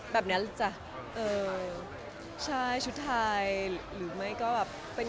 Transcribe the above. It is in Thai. แบบเนี้ยแหละจ้ะเออใช่ชุดไทยหรือไม่ก็แบบเป็น